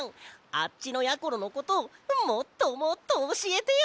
あっちのやころのこともっともっとおしえてよ！